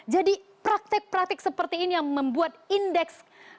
jadi praktek praktek seperti ini yang membuat indeks